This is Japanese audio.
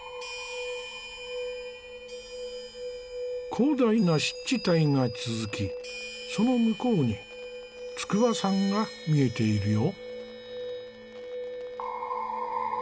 広大な湿地帯が続きその向こうに筑波山が見えているよ。